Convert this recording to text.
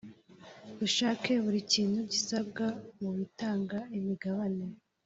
Ushake buri kintu gisabwa mu gutanga imigabane